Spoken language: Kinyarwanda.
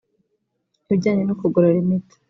ibijyanye no kugorora imitsi